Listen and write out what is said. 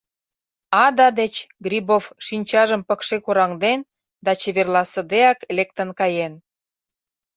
Ада деч Грибов шинчажым пыкше кораҥден да чеверласыдеак лектын каен.